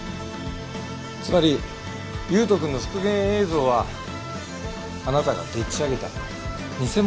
つまり悠斗くんの復元映像はあなたがでっち上げた偽物だったんですよね。